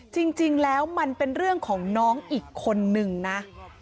จริงแล้วมันเป็นเรื่องของน้องอีกคนนึงนะ